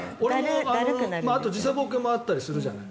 あと時差ぼけもあったりするじゃない。